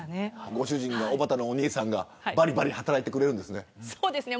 ご主人のおばたのお兄さんがばりばり働いてくれるんですね。